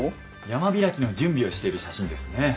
山開きの準備をしている写真ですね。